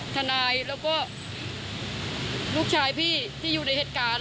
ทนายแล้วก็ลูกชายพี่ที่อยู่ในเหตุการณ์